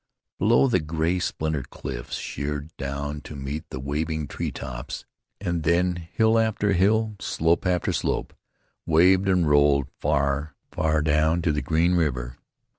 Below the gray, splintered cliffs sheered down to meet the waving tree tops, and then hill after hill, slope after slope, waved and rolled far, far down to the green river.